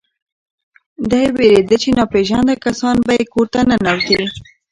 دی وېرېده چې ناپېژانده کسان به یې کور ته ننوځي.